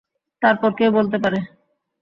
তারপর কে বলতে পারে?